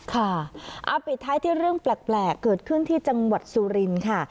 ค่ะเอาปิดท้ายที่เรื่องแปลกเกิดขึ้นที่จังหวัดสุรินทร์ค่ะ